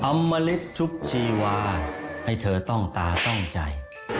อมริตชุบชีวาให้เธอต้องตาต้องใจ